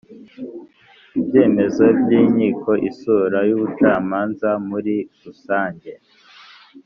ibyemezo by’inkiko, isura y’ubucamanza muri rusange